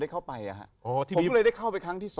๑๕ค่ำเดือน๑๒